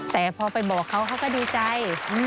แต่พอไปบอกเขาเขาก็ดีใจ